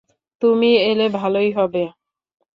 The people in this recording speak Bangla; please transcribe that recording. তুমি এলে ভালোই হবে।